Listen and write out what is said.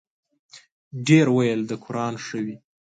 ډېر ویل د قران ښه دی.